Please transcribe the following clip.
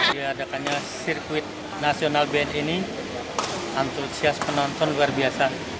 diadakannya sirkuit nasional bni ini antusias penonton luar biasa